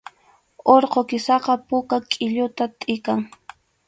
Urqu kisaqa puka qʼilluta tʼikan